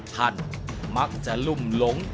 ท่านมักจะลุ่มหลง